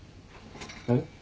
えっ？